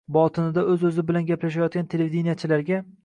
botinida o‘z-o‘zi bilan gaplashayotgan televideniyechilarga